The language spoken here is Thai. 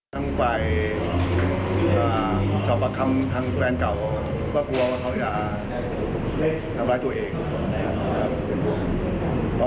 ทางฝ่ายสอบประคำทางแฟนเก่าก็กลัวว่าเขาจะได้ทำร้ายตัวเองนะครับ